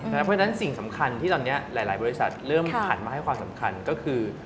เพราะฉะนั้นสิ่งสำคัญที่ตอนนี้หลายบริษัทเริ่มหันมาให้ความสำคัญก็คือ